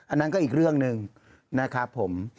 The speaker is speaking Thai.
อันนั้นก็อีกเรื่องหนึ่งนะครับผม